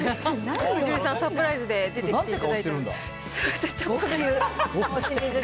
こじるりさん、サプライズで出てきていただいてるんで。